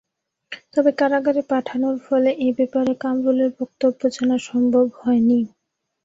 তবে কারাগারে পাঠানোর ফলে এ ব্যাপারে কামরুলের বক্তব্য জানা সম্ভব হয়নি।